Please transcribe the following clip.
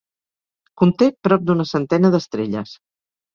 Conté prop d'una centena d'estrelles.